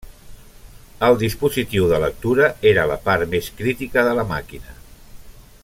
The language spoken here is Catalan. El dispositiu de lectura era la part més crítica de la màquina.